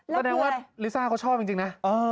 แล้วถ้าเป็นว่าลิซ่าเค้าชอบจริงนะ